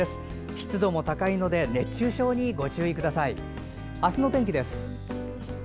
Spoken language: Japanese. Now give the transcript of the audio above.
湿度も高いので熱中症にご注意ください。